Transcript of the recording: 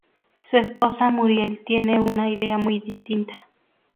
Su esposa Muriel tiene una idea muy distinta.